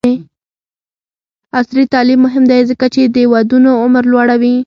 عصري تعلیم مهم دی ځکه چې د ودونو عمر لوړوي.